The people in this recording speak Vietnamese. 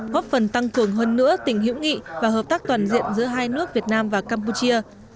góp phần tăng cường hơn nữa tình hữu nghị và hợp tác toàn diện giữa hai nước việt nam và campuchia